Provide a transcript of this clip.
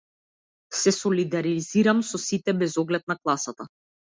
Се солидализирам со сите без оглед на класата.